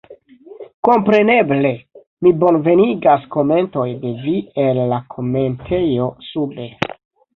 Kompreneble, mi bonvenigas komentoj de vi el la komentejo sube